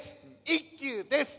一休です